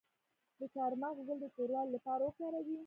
د چارمغز ګل د توروالي لپاره وکاروئ